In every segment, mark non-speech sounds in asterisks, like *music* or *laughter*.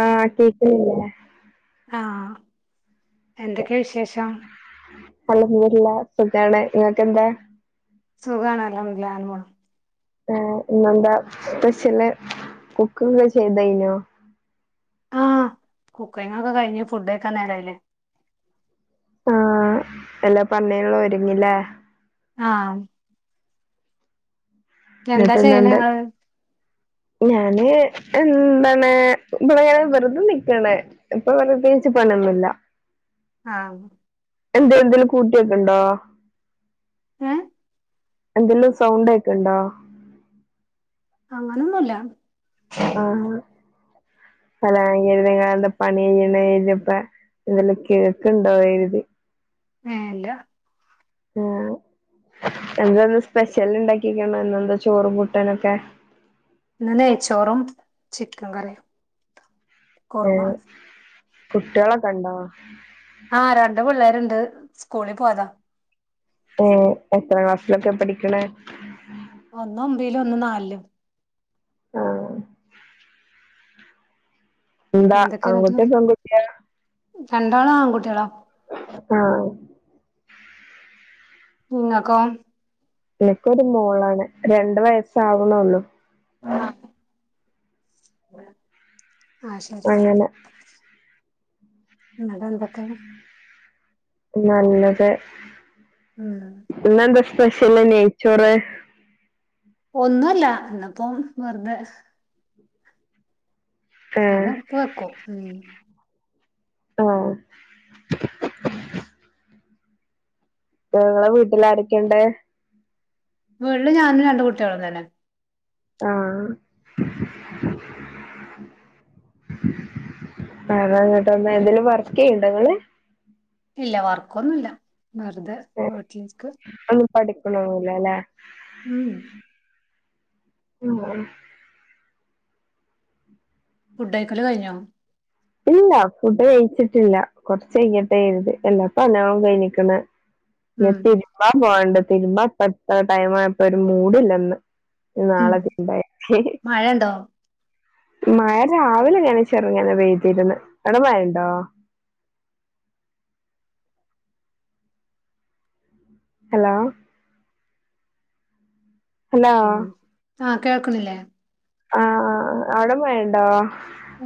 ആഹ് കേക്കണ് ല്ലേ എന്തൊക്കെയാ വിശേഷം *unintelligible* സുഖാണ് ങ്ങക്ക് ന്താ സുഖണല്ലാംഹല്ല ങ്ങമോണ് ഏ എെന്താ സ്പെഷ്യല് കുക്കൊക്കെ ചെയ്തനോ ആഹ കുക്കിങ്ങ ഒക്കെ കഴിഞ്ഞ്ഞു ഫുഡ ഒക്കാ നേരല്ലേ ആഹ്, എല്ലാ പറഞ്ഞേനുള്ള ഒരുങ്ങില്ലേ ആഹ് എന്താ ചെയ്യണെ *unintelligible* ഇങ്ങള് ഞാന് എന്താണ് ഇടെന വെറുതെ നിക്കണേ ഇപ്പൊ വെറുതേകച്ച് പണ്യോന്നുല്ല ആഹ് എന്തേ എന്തേലും കൂട്ടിയക്ക്‌ണ്ടോ ഹഏ എന്തെല്ലോ സൗണ്ടെക്ക്‌ണ്ടോ അങ്ങനൊന്നുല്ല. ആഹ്, അല *unintelligible* പണി കഴിഞ്ഞിനെല്പ്പം എന്തേലും കേക്കുണ്ടോ കരുതി ആഏല്ല ആഹ്, എന്താന്ന് സ്പെഷ്യല് ഇണ്ടാക്കിക്ക്‌ണെ ഇന്നെന്താ ചോറും കൂട്ടനൊക്കെ ഇനെ ചോറും ചിക്കൻ കറിയ ഉം കുട്ട്യാളൊക്കെ ണ്ടോ? ആഹ് രണ്ട് പിള്ളേര്ണ്ട്. കോളി പോയതാ ഏഹ്, എത്ര ക്ലാസ്സിലൊക്കെ പഠിക്ക്‌ണെ ഒന്നൊ ഒമ്പേലും ഒന്നു നാലിലും. ആഹ് എന്താ ആൺകുട്ടിയോ പെൺകുട്ടിയോ രണ്ടാള് ആൺകുട്ട്യാളാ. ആഹ ങ്ങക്കോ ഇൻക്കോരു മോളാണ്. രണ്ട് വയസ്സാവ്ണൊള്ളു ആഹ് ആ ശരി അങ്ങനെ ന്നവിടെ എന്തൊക്കാണ് നല്ലത് ഉം ഇന്നെന്താ സ് സ്പെഷ്യല്ല് നെയ്ച്ചോറ് ഒന്നൂല്ല ഇന്നിപ്പം വെറുതെ അത് ഏഹ് എടുത്ത് വെക്കും ഉം ആ നിങ്ങളെ വീട്ടിൽ ആരൊക്കെയുണ്ട്? വീട്ടില് ഞാനും രണ്ട് കുട്ടികളും തന്നെ ആ വേറെയെന്തൂട്ട എന്തേങ്കിലും വർക്ക് ചെയ്യുന്നുണ്ടോങ്ങള് ഇല്ല വർക്കൊന്നുല്ല വെറുതെ വീട്ടിലിരിക്ക് പഠിക്കണവുല്ലല്ലെ ഉം ഫുഡ് കഴിക്കല് കഴിഞ്ഞോ ഇല്ല ഫുഡ് കഴിച്ചിട്ടില്ല കൊറച്ച് കഴിഞ്ഞിട്ട് ഇരുത് എല്ലാ പനൊന്നിനാ എണ്ണീക്കണേ ഉം എത്തി *unintelligible* തിരുമ്പാൻ ഇപ്പംഎടുത്ത ടൈംആയപ്പോ ഒരു മൂടില്ല ഇന്ന് ഇനി ഉം നാളെ തിരുമ്പാം മഴണ്ടോ മഴ രാവിലെ ഇങ്ങനെ ചെറുങ്ങന്നെ പെയ്തു അവിടെ മഴയുണ്ടോ? ഹലോ ഹലോ ആ കേൾക്കുന്നില്ലേ ആ ആ ആ അവിടെ മഴയുണ്ടോ?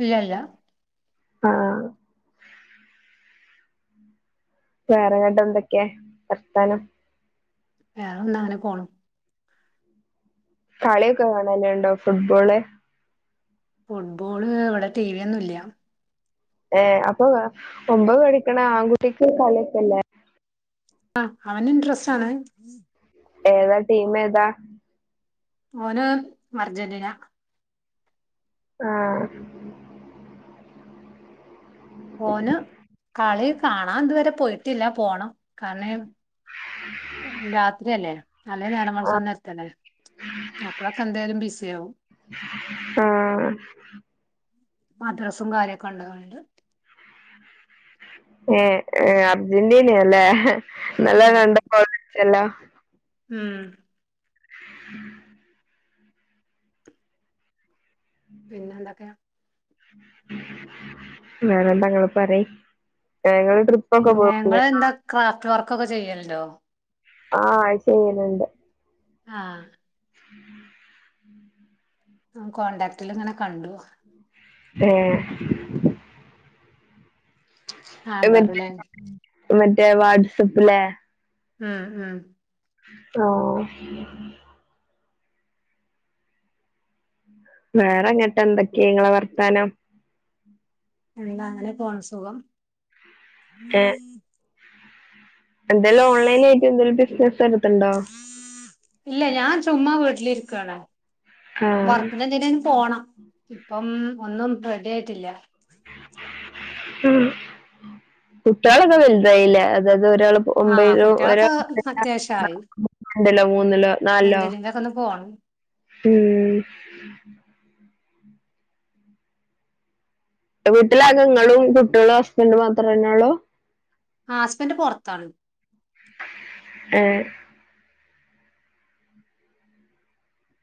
ഇല്ല ഇല്ല ആ വേറെഅങ്ങാട്ട് എന്തൊക്കെയാ വർത്താനം? വേറെ എഞാ അങ്ങനെ പോണു കളിയൊക്കെ കാണാറുണ്ടോ ഫുട്ബോള് ഫുട്ബോള് ഇവിടെ ടി വി ഒന്നും ഇല്ല ഏ അപ്പൊ ഒമ്പത് പഠിക്കുന്ന ആൺകുട്ടിക്ക് കളീഒക്കേയില്ലേ ആ അവന് ഇൻട്രസ്റ്റ് ആണ് ഏതാ ടീം ഏതാ ഓന് അർജന്റീന ആ ഓൻകളി കാണാൻ ഇതുവരെ പോയിട്ടില്ല പോണം കണീം രാത്രിയല്ലേ അല്ലെ ആ ഞാനമോൾക്ക്ന്നരത്തല്ലേ അപ്പഴൊക്കെ എന്തൊലും ബിസി ആവും. ആ മദ്രാസും കാര്യൊക്കെ ഉള്ളതുകൊണ്ട് ഏ ഏ അർജൻിന അല്ലേ നല്ല ഉം കണ്ട *unintelligible* ഹലോ ഉം പിന്നെ എന്തൊക്കെയാ വേറെന്താ ഇങ്ങള് പറയ് ഇങൾ ട്രിപ്പ്‌ ഒക്കെ പോവാറുണ്ട് വർക്ക് ചെയ്യലുണ്ടോ ആ അയ് ചെയ്യുണുണ്ട് ആ കോടാക്ട്ടിൽ ഇങ്ങനെ കണ്ടു ഏ ആ അമ്പർല മറ്റേ *unintelligible* മറ്റേ വാട്സപ്പിലെ ഉം ഉം ഓ വേറെങ്ങട്ട് എന്തൊക്കെയാ നിങ്ങളെ വർത്താനം എല്ല അങ്ങനെ പോണം സുഖം ഏ എന്തായാലും ഓൺലൈൻ ആയിട്ട് എന്തും ബിസിനസ് എടുത്ത്ണ്ടോ? ഇല്ല ഞാൻ ചുമ്മാ വീട് ട്ട്‌ലിരിക്കാണ് ആഹ് വർക്കുന്നെന്തേലും പോണം ഇപ്പം ഒന്നും റെഡി ആയിട്ടില്ല കുട്ടികളൊക്കെ വലുതായില്ല അത അത് ഒരാൾ ആഹ് ഒമ്പലോ ഒ കുട്ടികളൊക്കെ അത്യാവശ്യായി രണ്ടിലോ മൂന്നിലോ നാലോ എന്തിനെങ്കിലൊക്കെ ഒന്ന് പോണം ഉം വീട്ടിലാകെ ഇങ്ങളും കുട്ടികളും ഹസ്ബൻഡ് മാത്രന്നള്ളൂ ഹസ്ബന്ഡ് പുറത്താണ് ഏ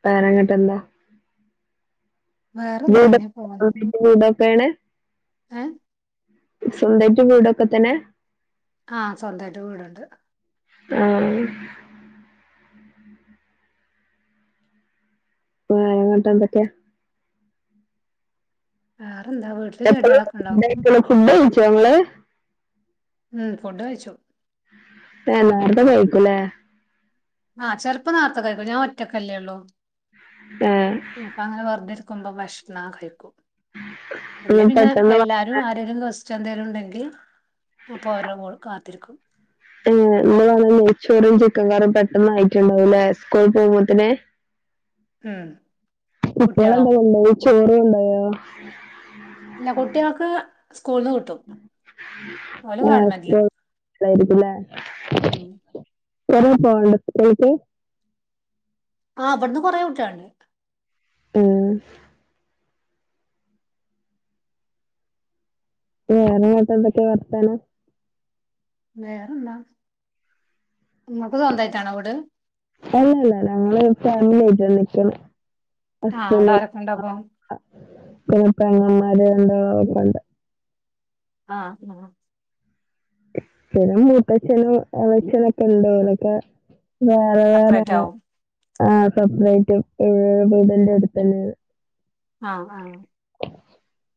വെറേങ്ങട്ട് എന്താ ജ വേറെന്താ അങ്ങനെ *unintelligible* വേണ ഏ സ്വന്തയിട്ട് വീടൊക്കെ തന്നെ ആ സ്വന്തയിട്ട് വീടുണ്ട് ആ വേറെങ്ങോട്ട എന്തൊക്കെയാ ആ *unintelligible* ച്ച ങ്ങള് ഉം ഫുഡ് കഴിച്ചു ഏ നേർത്തെ കഴിക്കും ലെ ആഹ് ചെലപ്പോ നേരത്തെ കഴിക്കും ഞാൻ ഒറ്റക്കല്ലേ ഉള്ളു ഏഹ് അപ്പൊ അങ്ങനെ വെറുതെ കുമ്പൊ ഭക്ഷണം കഴിക്കും ഇന്ന് അല്ലേൽ പിന്നെ പെട്ടെന്ന് വന്ന എല്ലാരും *unintelligible* *unintelligible* ഉണ്ടെങ്കിൽ അപ്പൊ ഓരോ കാത്തിരിക്കും *unintelligible* നെയ്ച്ചോറും ചിക്കൻകറിയും പെട്ടെന്ന് ആയിട്ടുണ്ടാവൂലേ സ്കൂൾ പോവ് മ്പോത്ത് ന് ആ കുട്ടികൾ എന്താ കൊണ്ടോയി ചോർ കൊണ്ടോയോ ഇല്ല കുട്ടികൾക്ക് സ്കൂളിൽ നിന്ന് കിട്ടും ഓല് ആഹ് ഗവണ്മെന്റിലാ സ്കൂൾ ലായിരിക്കുംല്ലേ *unintelligible* ആ ഇവട്ന്ന് കുറേ കുട്ട്യോളുണ്ട് ആ വേറെ ന്നട്ടെന്തെക്കെ വർത്താനം വേറെന്താ നിങ്ങൾക്ക് സ്വന്തമായിട്ടാണോ വീട് അല്ലല്ല ഞങ്ങള് ഫാമിലി ആയിട്ട നിക്കുന്നത് ആ അവിടെ ആരൊക്കെ ഉണ്ട് അപ്പോ പിന്നെ പെങ്ങമ്മാർ *unintelligible* ആഹ് ആ *unintelligible* മൂത്തച്ചനും ഇളേച്ചനും ഒക്കെ ഉണ്ട് ഒലൊക്കെ വേറെ വേറെയാണ് സെപ്പറേറ്റ് ആവും ആ സെപ്പറേറ്റ് *unintelligible* വീടിന്റെ അടുത്തന്നെ ആണ് ആ ആ *inaudible*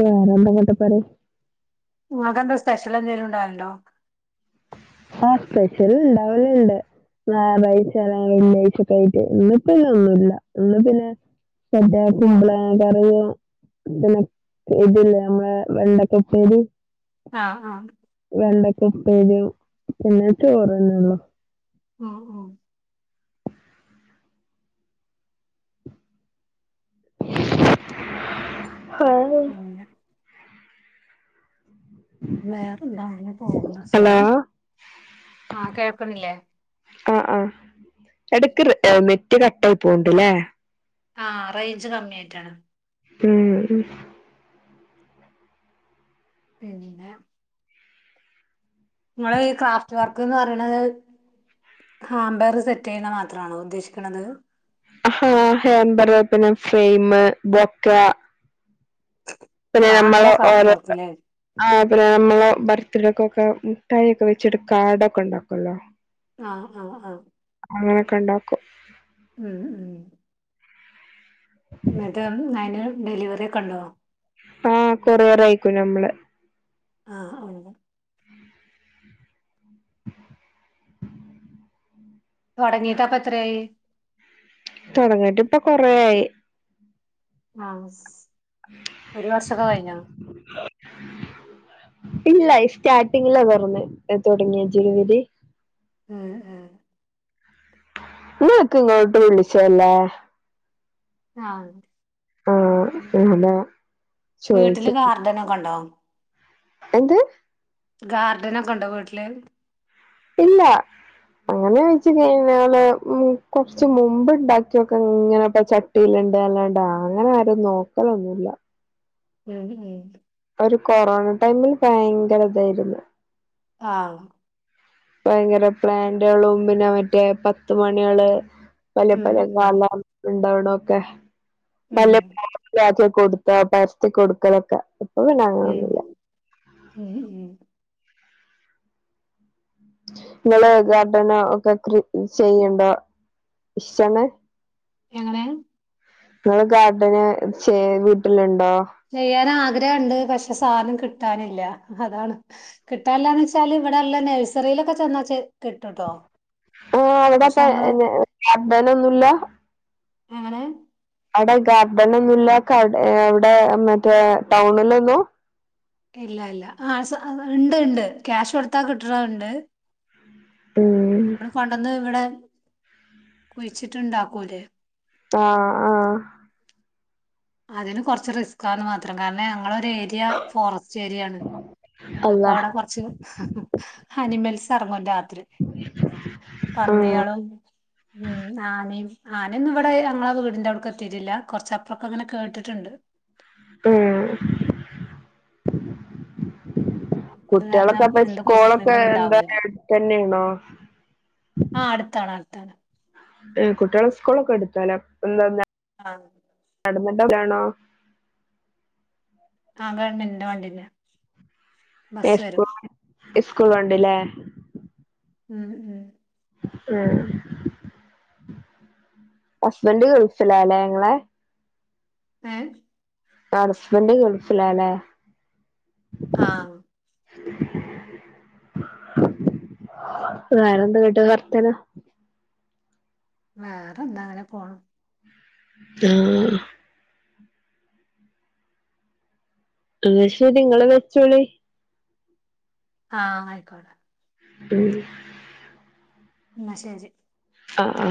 വേറെന്താ *unintelligible* നിങ്ങൾക്ക് എന്താ സ്പെഷ്യൽ എന്തേങ്കിലും ഉണ്ടാവലുണ്ടോ ആ സ്പെഷ്യൽ ഉണ്ടാവൽ ഉണ്ട് ഞായറാഴ്ച *unintelligible* വെള്ളിയാഴ്ച ഒക്കെ ആയിട്ട് ഇന്ന് ഇപ്പോ ഒന്നുല്ല *unintelligible* പിന്നെ *unintelligible* കുമ്പളങ്ങ കറി പിന്നെ ഇതില്ലേ നമ്മളെ വെണ്ടക്ക ഉപ്പേരി ആ ആ വെണ്ടയ്ക്ക ഉപ്പേരിം പിന്നെ ചോറന്നെ ഉള്ള് ആ ആ *inaudible* ഹാ പിന്നെ വേറന്താ *unintelligible* സുഖം ആ കേൾക്കുന്നില്ലേ ആ ആഹ് ഇടക്ക് നെറ്റ് കട്ടായി പോകുന്നുണ്ടല്ലേ ആ റേഞ്ച് കമ്മി ആായിട്ടാണ് ആ പിന്നന്ന നിങ്ങൾ ഈ ക്രാഫ്റ്റ് വർക്ക് എന്ന് പറയത് ഹാംബർ സെറ്റ് ചെയ്യണ മാത്രണോ ഉദ്ദേശിക്കണത് ആഹ ഹെയബർ പിന്നെ ഫ്രെയിമ ബൊക്ക പിന്നെ ആ നമ്മള അങ്ങനെ ഓ സോഫ്റ്റ് വർക്കല്ലേ ആ പിന്നെ നമ്മള ബർത്ത്ഡേക്ക ഒക്കെ മുഠായി ഒക്കെ വെച്ചിട്ട് കാർഡൊക്കെ ഉണ്ടാക്കുമല്ലോ ആഹ ആഹ ആഹ ഉണ്ടാക്കും എന്നത്യിന് ഡെലിവറി കെണ്ടുവോ ആഹ കൊറ വേറയിക്കും മ്മള് ആഹ അന തട നേീതാ പത്രായി തുടങ്ങട്ട് ഇപ്പൊ കൊറ ആഹ ഒരു വർഷൊക്കെ കഴിഞ്ഞോ ഇല്ല സ്റ്റാർട്ടിങ്ങില വന്ന് തുടങ്ങിയ ജരുുവരി ഉഹ ഉഹ നിക്ക് ഇങ്ങോട്ട് വിളിച്ചല്ലേ ആ ആഹ അല്ലാ വീട്ടില് ഗാർഡനൊക്കെ ഒണ്ടോ എന്ത് ഗാർഡനൊക്കെ ഉണ്ടോ വീട്ടില് ഇല്ല അങ്ങനെ വെച്ച് കഴിഞ്ഞാല് കൊറച്ച് മുമ്പ്ണ്ടാക്കിയൊക്കെ ഇങ്ങനെപ്പ ചട്ടിയിലണ്ട് അല്ലാണ്ട് അങ്ങനെ ആരും നോക്കലൊന്നുല്ല ഉം ഉം ഒരു കൊറോണ ടൈമില് ഭയങ്കര ഇതായിരുന്നു ആ ഭയങ്കര പ്ലാന്റുകളും പിന്നെ മറ്റേ പത്തു മണികള് പല ഉം പല ഉം കാല ഉണ്ടാവ ണോക്കെ ഉം പല *unintelligible* കൊടുത്ത പരത്തി കൊടുക്കതൊക്കെ ഉം ഉം ഉം നിങ്ങള് ഗർഡനോ ഒക്കെ ക്രി ചെയ്യണ്ടോ ഇഷ്ട്ടാണ് എങ്ങനെ നിങ്ങള് ഗാർഡന് ചെ വീട്ടിലോ ചെയ്യാനാ ഗ്രഹണ്ട് പക്ഷെ സാധനം കിട്ടാനില്ല അതാണ് കിട്ടാനില്ലാന്ന് വെച്ചാല് ഇവിടൊള്ള നഴ്സറിയിലൊക്കെ ചെന്നാ ചെ കിട്ടൂട്ടോ ആ അവിടെപ്പ എന്ന ഗാർഡനൊന്നുല്ല എങ്ങനെ അവിടെ ഗാർഡൻഒന്നും ഇല്ലേ അവിടെ അവിടെ മറ്റേ ടൗണിലൊന്നും ഇല്ല ഇല്ല ആ ഉണ്ട് ഉണ്ട് ക്യാഷ് കൊടുത്താ കിട്ടണുണ്ട് ഉം നമ്മള് പണ്ടന്ന് ഇവിടെ *unintelligible* കൊഴിച്ചിട്ടുണ്ടാക്കൂലെ ആഹ ആഹ അതിന് കുറച്ച് റിസ്ക് ആന്ന് മാത്രം കാരണം ഞങ്ങൾ ഏരിയ ഫോറസ്റ്റ് ഏരിയാണ് അപ്പൊ അള്ളാ അവിടെ കൊറച്ച് അനിമൽസ് ഇറങ്ങുന്നുണ്ട് ആഹ് പന്ന്യാളും ഉം ആനയും ആനൊന്നും ഇവിടെ ഞങ്ങളെ വീടിന്റെ അവിടേക്ക് എത്തിയിട്ടില്ല കുറച്ചപ്പറൊക്കെ അങ്ങനെ കേട്ടിട്ടുണ്ട് ഉം ത് കാരണം എന്ത സ്കൂളൊക്കെ കുയിച്ചിട്ടാലും എന്താ ണ്ടാവൂല അടുത്തന്നെയാണോ ആഹ അടുത്താണ് ട്ടാണ് കുട്ടികളെ സ്കൂളൊക്കെ എടുത്തല *unintelligible* ആഹ നടന്നണ്ടതാണോ *unintelligible* ആഹ ഗവൺമെന്റിന്റെ വണ്ടീന്ന *unintelligible* ഇസ്‌കൂ ൾ വണ്ടിലെ ഉം ഉം ഉം ഹസ്ബൻഡ ഗൾഫില അല്ലേ ങ്ങളെ ഏ ആ ഹസ്ബൻഡ് ഗൾഫിലാ ലെ ആഹ വേറെന്താ എന്നട്ട് വർത്താനം വേറെ എന്താ അങ്ങനെ പോണ്. ആഹ് ന്നാ ശരി ങ്ങള് വെച്ചോളി ആഹ ആയിക്കോട്ടെ ഉം എന്ന ശരി ആ ആ